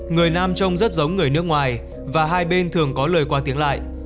người nam trông rất giống người nước ngoài và hai bên thường có lời qua tiếng lại